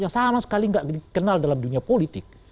yang sama sekali tidak dikenal dalam dunia politik